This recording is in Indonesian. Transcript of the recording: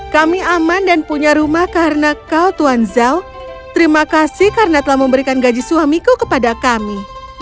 kami aman dan punya rumah karena kau tuan zhao terima kasih karena telah memberikan gaji suamiku kepada kami